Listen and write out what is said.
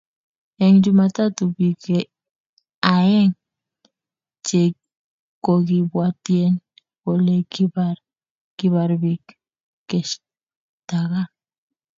Eng jumatatu bik aing che kokibwatien kole kibarbik keshtakan.